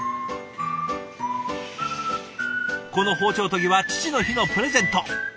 この包丁研ぎは父の日のプレゼント。